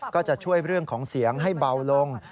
ก็จะช่วยเรื่องของเสียงให้เบาลง